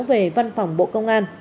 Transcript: về văn phòng bộ công an